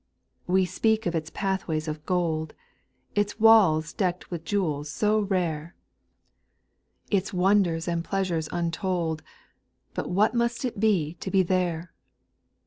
"We speak of its pathways of gold. Its walls deck'd with jewels so rare ; 36* 414 SPIRITUAL SONGS. Its wonders and pleasures untold— But what must it be to be there I 8.